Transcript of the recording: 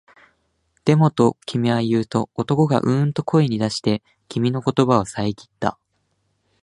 でも、と君は言うと、男がううんと声に出して、君の言葉をさえぎった